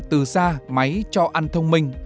từ xa máy cho ăn thông minh